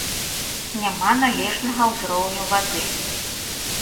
Няма належнага ўзроўню вады.